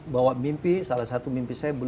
bahwa mimpi salah satu mimpi saya